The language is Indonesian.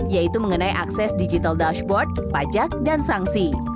yaitu mengenai akses digital dashboard pajak dan sanksi